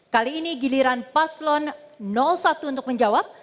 kali ini giliran paslon satu untuk menjawab